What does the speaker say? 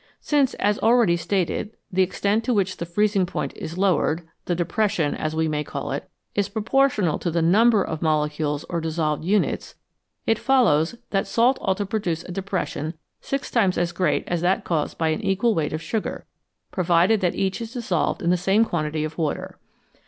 Since, as already stated, the extent to which the freezing point is lowered the " depression," as we may call it is proportional to the number of molecules or dissolved units, it follows that salt ought to produce a depression six times as great as that caused by an equal weight of sugar, provided that each is dissolved in the same quantity of water.